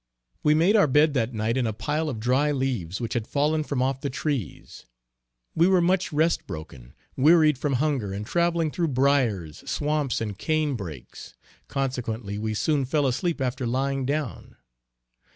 We made our bed that night in a pile of dry leaves which had fallen from off the trees. We were much rest broken, wearied from hunger and travelling through briers, swamps and cane brakes consequently we soon fell asleep after lying down.